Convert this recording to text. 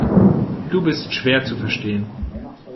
Du bist schwer zu verstehen.